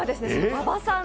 馬場さん